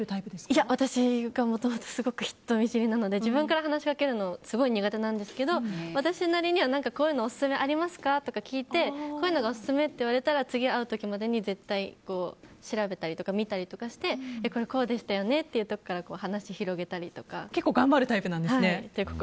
いや、私がもともとすごく人見知りなので自分から話しかけるのすごい苦手なんですけど私なりにはオススメありますか？とか聞いてこういうのがオススメとか言われたら絶対調べたりとか見たりとかしてこれこうでしたよねっていうところから結構頑張るタイプなんですね。